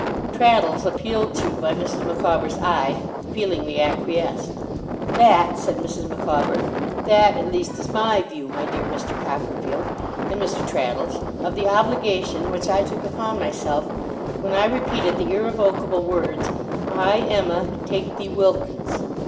Traddles, appealed to by Mrs. Micawber's eye, feelingly acquiesced. 'That,' said Mrs. Micawber, 'that, at least, is my view, my dear Mr. Copperfield and Mr. Traddles, of the obligation which I took upon myself when I repeated the irrevocable words, "I, Emma, take thee, Wilkins."